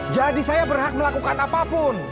jadi saya berhak melakukan apapun